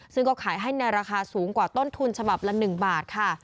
ซึ่งก็ขายให้ในราคาสูงกว่าต้นทุนฉบับละ๑บาทค่ะ